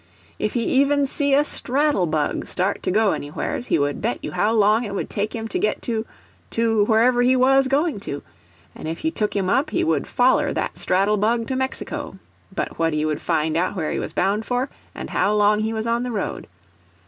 If he even see a straddle bug start to go anywheres, he would bet you how long it would take him to get to—to wherever he was going to, and if you took him up, he would foller that straddle bug to Mexico but what he would find out where he was bound for and how long he was on the road.